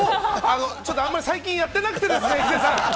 ちょっとあんまり最近やってなくてですね、ヒデさん。